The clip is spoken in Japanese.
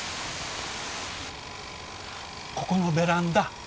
ここのベランダ